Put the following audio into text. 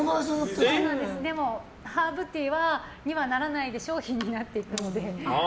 でもハーブティーにはならないで商品になっていくので。